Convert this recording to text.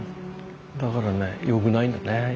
だからねよくないんだね。